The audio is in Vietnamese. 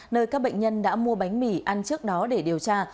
nơi các bệnh nhân đã mua bánh mì ăn trước đó để điều tra